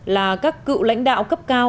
là các cựu lãnh đạo cấp cao